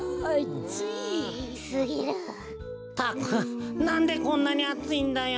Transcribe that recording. ったくなんでこんなにあついんだよ。